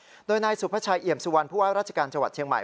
โดยนายสุภาชัยเอี่ยมสุวรรณผู้ว่าราชการจังหวัดเชียงใหม่